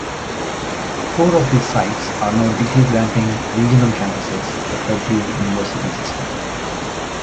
Four of these sites are now degree-granting regional campuses of the Purdue University system.